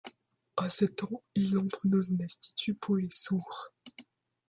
À sept ans, il entre dans un institut pour les sourds.